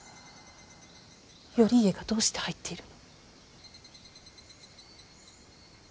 頼家がどうして入っているの。